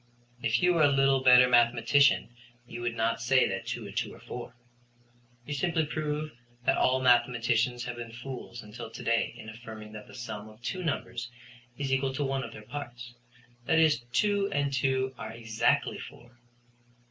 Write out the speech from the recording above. "If you were a little better mathematician you would not say that two and two are four. You simply prove that all mathematicians have been fools until to day in affirming that the sum of two numbers is equal to one of their parts; that is, two and two are exactly four."